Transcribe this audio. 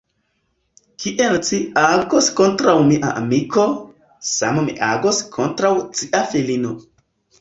Kiel ci agos kontraŭ mia amiko, same mi agos kontraŭ cia filino.